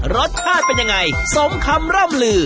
รสชาติเป็นยังไงสมคำร่ำลือ